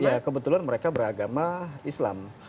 ya kebetulan mereka beragama islam